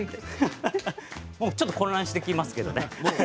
ちょっと混乱してきますけどね。